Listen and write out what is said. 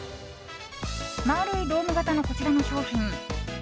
丸いドーム型のこちらの商品。